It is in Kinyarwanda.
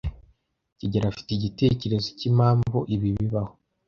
kigeli afite igitekerezo cyimpamvu ibi bibaho.